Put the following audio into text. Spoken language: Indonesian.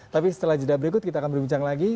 tapi setelah jeda berikut kita akan berbincang lagi